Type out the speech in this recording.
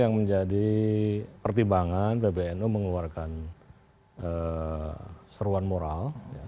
yang menjadi pertimbangan pbnu mengeluarkan seruan moral